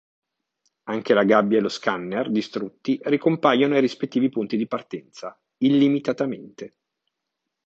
Anche la gabbia e lo scanner distrutti ricompaiono ai rispettivi punti di partenza, illimitatamente.